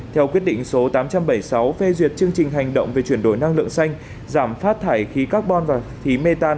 theo quyết định số tám trăm bảy mươi sáu phê duyệt chương trình hành động về chuyển đổi năng lượng xanh giảm phát thải khí carbon và khí mê tan